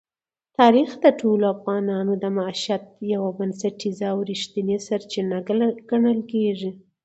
تاریخ د ټولو افغانانو د معیشت یوه بنسټیزه او رښتینې سرچینه ګڼل کېږي.